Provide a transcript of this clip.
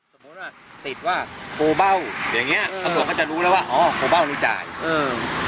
สมมติว่าโป้เบ้าอย่างเงี้ยอ๋อโป้เบ้าหนูจ่ายอืม